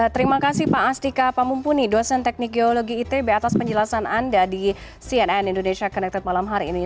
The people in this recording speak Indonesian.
terima kasih pak astika pamumpuni dosen teknik geologi itb atas penjelasan anda di cnn indonesia connected malam hari ini